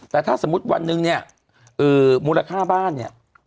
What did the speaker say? แต่ถ้าสมมุติวันหนึ่งเนี่ยมูลค่าบ้านเนี่ย